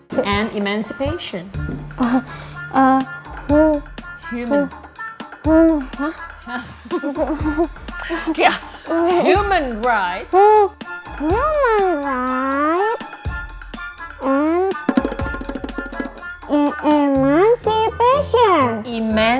sampai jumpa di video selanjutnya